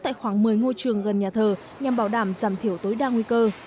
tại khoảng một mươi ngôi trường gần nhà thờ nhằm bảo đảm giảm thiểu tối đa nguy cơ